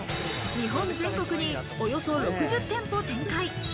日本全国におよそ６０店舗展開。